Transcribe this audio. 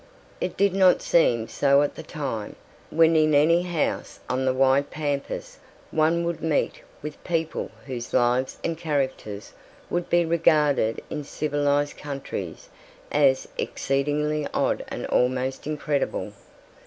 It did not seem so at the time, when in any house on the wide pampas one would meet with people whose lives and characters would be regarded in civilized countries as exceedingly odd and almost incredible.